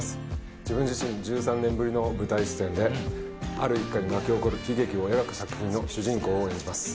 自分自身１３年ぶりの舞台出演である一家に巻き起こる悲劇を描く作品の主人公を演じます。